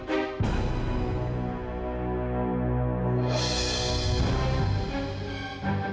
ketaufan juga ketaufan